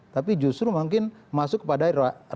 tapi justru mungkin masuk kepada rana dan situasi yang lain